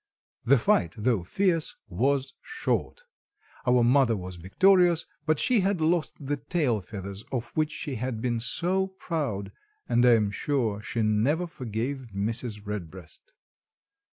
The fight, though fierce, was short. Our mother was victorious, but she had lost the tail feathers of which she had been so proud, and I am sure she never forgave Mrs. Redbreast.